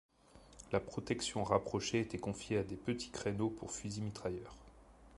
La protection rapprochée était confiée à des petits créneaux pour fusil-mitrailleurs.